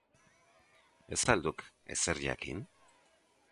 Ez al duk ezer jakin?